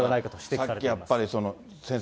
さっきやっぱり、先生